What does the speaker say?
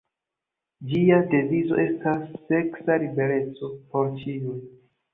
Ĝia devizo estas "seksa libereco por ĉiuj".